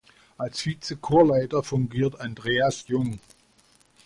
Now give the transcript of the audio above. Als Vize-Chorleiter fungiert Andreas Jung.